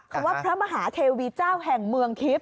คำว่าพระมหาเทวีเจ้าแห่งเมืองทิพย